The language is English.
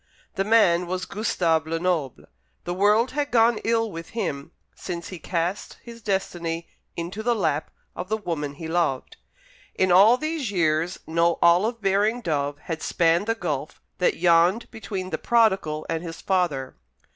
The man was Gustave Lenoble. The world had gone ill with him since he cast his destiny into the lap of the woman he loved. In all these years no olive bearing dove had spanned the gulf that yawned between the prodigal and his father.